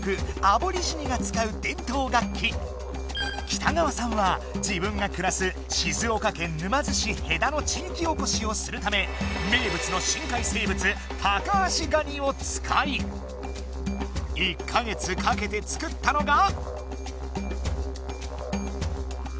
北川さんは自分がくらす静岡県沼津市戸田の地域おこしをするため名物の深海生物タカアシガニを使い１か月かけて作ったのが。